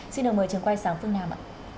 xin đồng mời trường quay sang phương nam